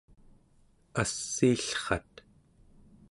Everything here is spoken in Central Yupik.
assiillrat